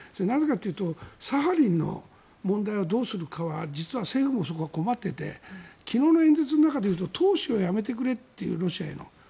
なぜかというとサハリンの問題をどうするかは実は政府もそこは困っていて昨日の演説の中でいうと投資をやめてくれというロシアへの。